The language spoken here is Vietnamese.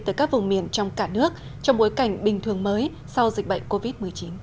từ các vùng miền trong cả nước trong bối cảnh bình thường mới sau dịch bệnh covid một mươi chín